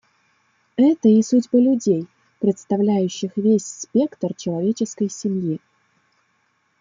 Это и судьбы людей, представляющих весь спектр человеческой семьи.